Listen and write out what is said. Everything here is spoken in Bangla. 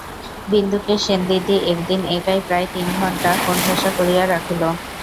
বিন্দুকে সেনদিদি একদিন একাই প্রায় তিনঘণ্টা কোণঠাসা করিয়া রাখিল।